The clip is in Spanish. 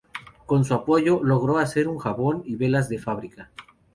Con su apoyo, logró hacer un jabón y velas de fábrica.